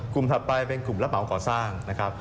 กลุ่มถัดไปเป็นกลุ่มระเป๋าก่อสร้าง